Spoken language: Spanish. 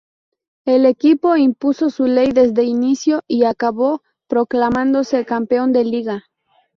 El equipo impuso su ley desde inicio y acabó proclamándose campeón de Liga.